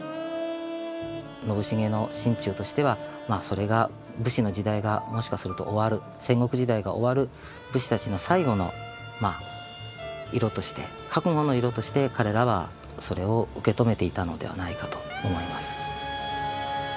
信繁の心中としてはまあそれが武士の時代がもしかすると終わる戦国時代が終わる武士たちの最後の色として覚悟の色として彼らはそれを受け止めていたのではないかと思います。